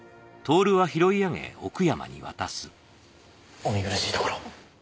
お見苦しいところを。